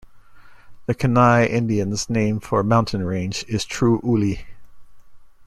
The Kenai Indian's name for the mountain range is Truuli.